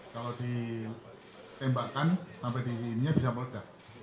kalau ditembakkan sampai di sininya bisa meledak